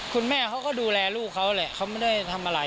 คุณแม่เขาก็ดูแลลูกเขาแหละเขาไม่ได้ทำอะไร